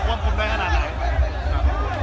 ส่วนใหญ่เลยครับ